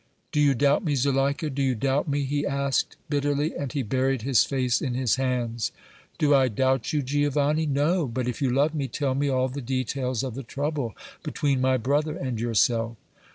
"Do you doubt me, Zuleika, do you doubt me?" he asked, bitterly, and he buried his face in his hands. "Do I doubt you, Giovanni? No. But, if you love me, tell me all the details of the trouble between my brother and yourself!"